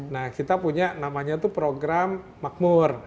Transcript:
nah kita punya namanya itu program makmur